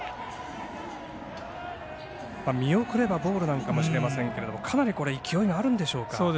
見送ればボールなのかもしれませんがかなり勢いがあるんでしょうか。